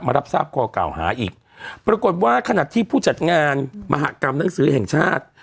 รับทราบข้อกล่าวหาอีกปรากฏว่าขณะที่ผู้จัดงานมหากรรมหนังสือแห่งชาติ